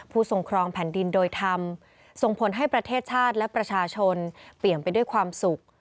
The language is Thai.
ทรงครองแผ่นดินโดยธรรมส่งผลให้ประเทศชาติและประชาชนเปลี่ยนไปด้วยความสุข